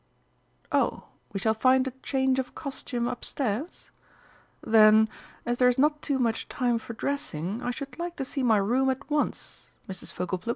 Oh, we shall find a change of costume upstairs? Then, as there is not too much time for dressing, I should like to see my room at once, Mrs. Fogleplug."